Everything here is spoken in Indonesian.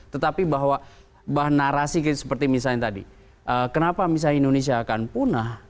tetapi bahwa narasi seperti misalnya tadi kenapa misalnya indonesia akan punah